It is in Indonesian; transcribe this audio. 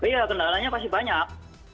ya kendalanya pasti banyak